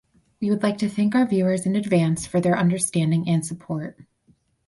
We would like to thank our viewers in advance for their understanding and support.